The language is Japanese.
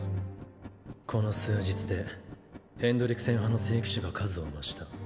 この数日でヘンドリクセン派の聖騎士が数を増した。